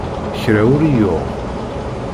Kra ur i-yuɣ.